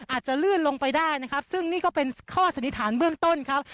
อาจจะลื่นลงไปได้นะครับซึ่งนี่ก็เป็นข้อสันนิษฐานเบื้องต้นครับ